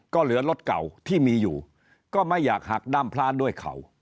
ก็เหลือรถเก่าที่มีอยู่ก็ไม่อยากหักด้ามพลานด้วยเขา